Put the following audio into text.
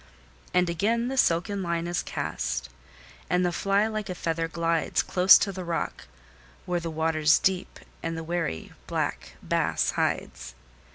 And again the silken line is cast, and the fly like a feather glides, Close to the rock where the water's deep, and the wary black bass hides.